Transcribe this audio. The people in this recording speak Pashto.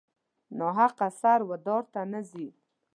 ناحقه سر و دار ته نه ځي.